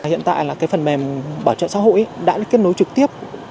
hiện tại là cái phần mềm bảo trợ xã hội đã được kết nối trực tiếp